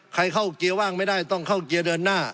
เข้าเกียร์ว่างไม่ได้ต้องเข้าเกียร์เดินหน้า